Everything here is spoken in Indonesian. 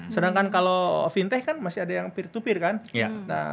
sedangkan kalau fintech kan masih ada yang peer to peer kan